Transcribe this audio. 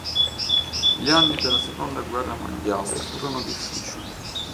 Gli anni della seconda guerra mondiale furono difficili.